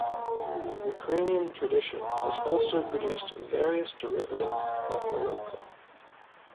Ukrainian tradition has also produced various derivatives of horilka.